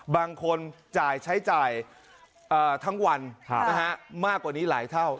บางคนจ่ายใช้จ่ายทั้งวันมากกว่านี้หลายเท่า